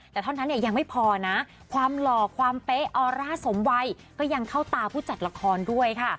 แต่เท่านั้นเนี่ยยังไม่พอนะความหล่อความเป๊ะออร่าสมวัยก็ยังเข้าตาผู้จัดละครด้วยค่ะ